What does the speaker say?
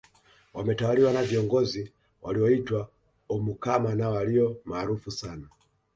Wametawaliwa na viongozi walioitwa omukama na walio maarufu sana